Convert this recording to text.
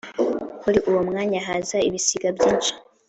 Muri uwo mwanya haza ibisiga byinshi;